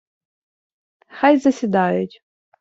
Хай засідають.